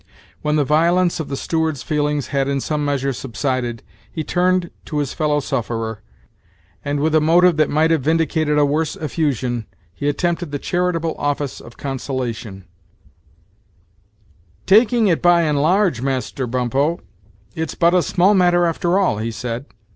When the violence of the steward's feelings had in some measure subsided, he turned to his fellow sufferer, and, with a motive that might have vindicated a worse effusion, he attempted the charitable office of consolation, "Taking it by and large, Master Bump ho, it's but a small matter after all," he said.